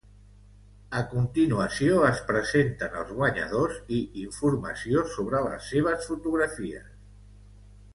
A continuació es presenten els guanyadors i informació sobre les seves fotografies.